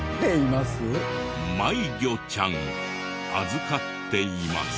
「まい魚ちゃん預かっています！」。